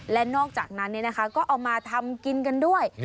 และนอกจากนั้นก็เอามาทำกินกันด้วย